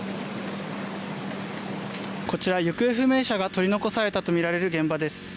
こちら行方不明者が取り残されたと見られる現場です。